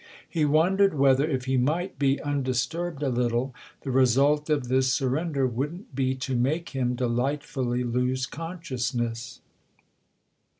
He wondered whether, if he might be undisturbed a little, the result of this surrender wouldn't be to make him delightfully lose consciousness.